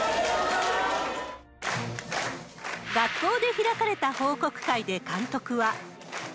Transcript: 学校で開かれた報告会で監督は。